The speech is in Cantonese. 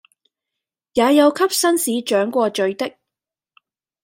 也有給紳士掌過嘴的，